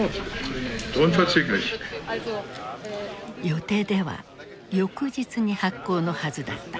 予定では翌日に発効のはずだった。